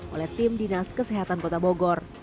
oleh tim dinas kesehatan kota bogor